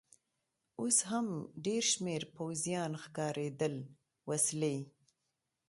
اوس هم ډېر شمېر پوځیان ښکارېدل، وسلې.